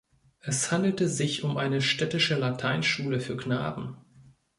Es handelte sich um eine städtische Lateinschule für Knaben.